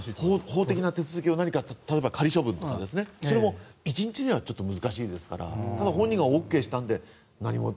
法的な手続き例えば仮処分とかそれも１日では難しいですけど本人がＯＫしたので。